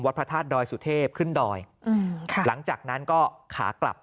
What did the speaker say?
พระธาตุดอยสุเทพขึ้นดอยอืมค่ะหลังจากนั้นก็ขากลับ